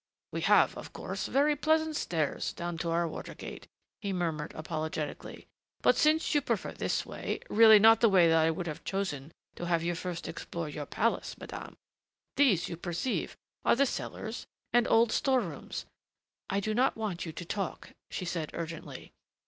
"We have, of course, very pleasant stairs down to our water gate," he murmured apologetically, "but since you prefer this way really not the way that I would have chosen to have you first explore your palace, madame! These, you perceive, are the cellars and old storerooms " "I do not want you to talk," she said urgently.